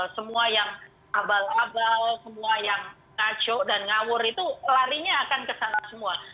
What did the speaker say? semua yang abal abal semua yang ngaco dan ngawur itu larinya akan kesana semua